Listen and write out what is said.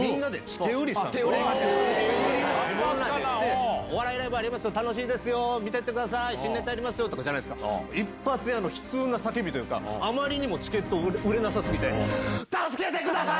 手売りみんなでして、お笑いライブありますよ、楽しいですよ、見ていってください、新ネタ見ていってくださいとかじゃないですか、一発屋の悲痛な叫びというか、あまりにもチケット売れなさすぎて、助けてください！